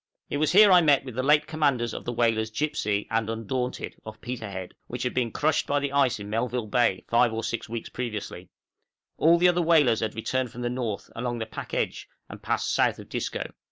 It was here I met with the late commanders of the whalers 'Gipsy' and 'Undaunted,' of Peterhead, which had been crushed by the ice in Melville Bay, five or six weeks previously; all the other whalers had returned from the north, along the pack edge, and passed south of Disco.